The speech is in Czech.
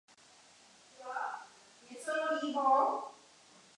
Po první sérii však přišla změna.